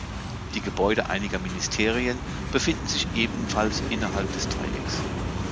Die Gebäude einiger Ministerien befinden sich ebenfalls innerhalb des Dreiecks.